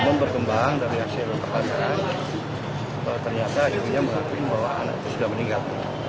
memperkembang dari aksi luka kandungan ternyata akhirnya mengakui bahwa anaknya sudah meninggal